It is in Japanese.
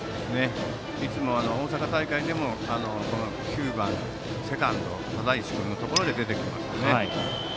いつも大阪大会でも９番セカンド、只石君のところで出ていますね。